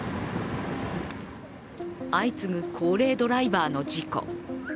相次ぐ高齢ドライバーの事故。